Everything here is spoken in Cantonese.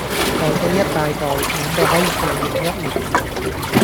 袋到一大袋滿到可以夠飲一年